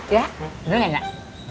ya bener gak